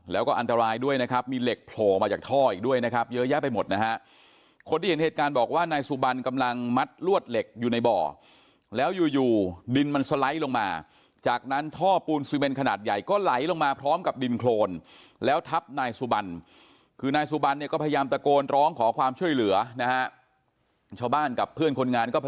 แล้วก็อันตรายด้วยนะครับมีเหล็กโผล่มาจากท่ออีกด้วยนะครับเยอะแยะไปหมดนะฮะคนที่เห็นเหตุการณ์บอกว่านายสุบันกำลังมัดลวดเหล็กอยู่ในบ่อแล้วอยู่อยู่ดินมันสไลด์ลงมาจากนั้นท่อปูนซีเมนขนาดใหญ่ก็ไหลลงมาพร้อมกับดินโครนแล้วทับนายสุบันคือนายสุบันเนี่ยก็พยายามตะโกนร้องขอความช่วยเหลือนะฮะชาวบ้านกับเพื่อนคนงานก็พ